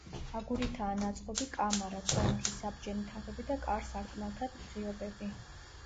აგურითაა ნაწყობი კამარა, კონქი, საბჯენი თაღები და კარ-სარკმელთა ღიობები.